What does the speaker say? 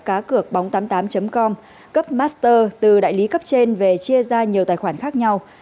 cácượcbóng tám mươi tám com cấp master từ đại lý cấp trên về chia ra nhiều tài khoản khác nhau